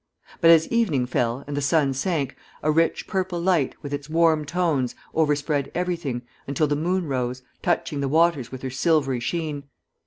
But as evening fell, and the sun sank, a rich purple light, with its warm tones, overspread everything, until the moon rose, touching the waters with her silvery sheen.